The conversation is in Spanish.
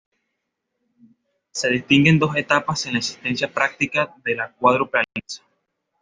Se distinguen dos etapas en la existencia práctica de la Cuádruple Alianza.